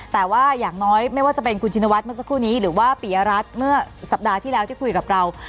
แต่ว่าอย่างน้อยไม่ว่าจะเป็นคุณชินวัฒน์เมื่อสักครู่นี้หรือว่าปียรัฐเมื่อสัปดาห์ที่แล้วที่คุยกับเรา